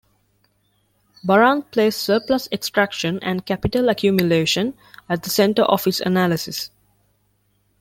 Baran placed surplus extraction and capital accumulation at the center of his analysis.